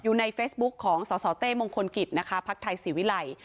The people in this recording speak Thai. อยู่ในเฟซบุ๊คของสสเต้มงคลกิจนะคะพักไทยศรีวิลัย